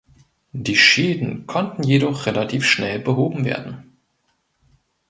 Die Schäden konnten jedoch relativ schnell behoben werden.